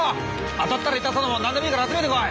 当たったら痛そうなもんなんでもいいから集めてこい！